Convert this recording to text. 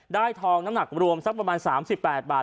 ทองน้ำหนักรวมสักประมาณ๓๘บาท